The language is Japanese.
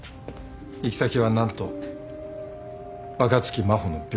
行き先は何と若槻真帆の病室。